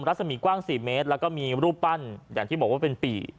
รัศมีกว้าง๔เมตรแล้วก็มีรูปปั้นอย่างที่บอกว่าเป็นปี่